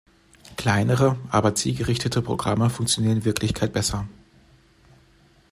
Kleinere, aber zielgerichtete Programme funktionieren in Wirklichkeit besser.